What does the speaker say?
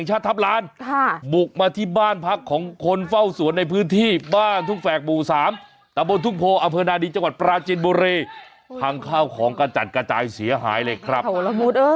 ชื่อน่ารักเฉียว